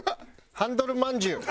ハンドルまんじゅう。